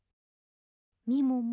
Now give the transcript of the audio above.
みもも。